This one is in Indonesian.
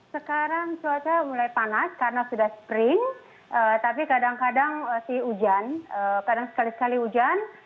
sekarang cuaca mulai panas karena sudah spring tapi kadang kadang masih hujan kadang sekali sekali hujan